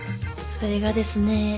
それがですね